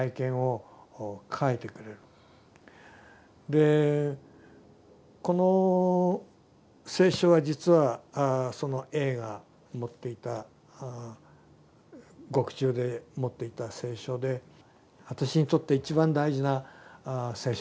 でこの聖書は実はそのＡが持っていた獄中で持っていた聖書で私にとって一番大事な聖書なんですが。